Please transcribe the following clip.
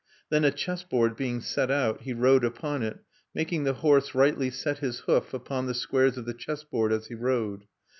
Then a chessboard being set out, he rode upon it, making the horse rightly set his hoof upon the squares of the chessboard as he rode.